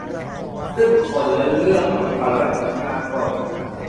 ซึ่งคนและเรื่องกับภารกิจข้างต้น